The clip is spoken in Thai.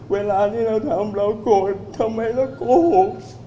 เวลาที่เราทำเราโกรธทำไมเราโกหก